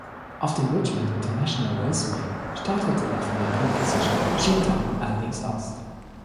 Auf dem Richmond International Raceway startete er von der Pole-Position, schied dann allerdings aus.